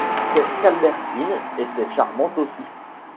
C'est qu'Albertine était charmante aussi.